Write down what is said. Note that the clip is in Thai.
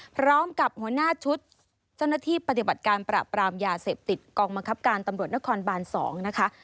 หัวหน้าชุดเจ้าหน้าที่ปฏิบัติการปราบปรามยาเสพติดกองบังคับการตำรวจนครบาน๒นะคะ